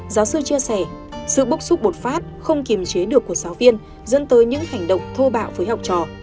giáo sư chia sẻ sự bức xúc bột phát không kiềm chế được của giáo viên dẫn tới những hành động thô bạo với học trò